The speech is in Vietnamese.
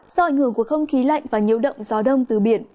do ảnh hưởng của không khí lạnh và nhiễu động gió đông từ biển